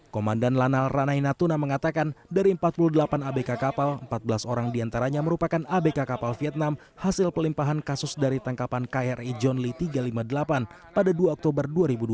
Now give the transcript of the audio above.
komandan lanal ranai natuna mengatakan dari empat puluh delapan abk kapal empat belas orang diantaranya merupakan abk kapal vietnam hasil pelimpahan kasus dari tangkapan kri john lee tiga ratus lima puluh delapan pada dua oktober dua ribu dua puluh